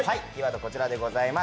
こちらでございます。